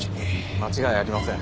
間違いありません。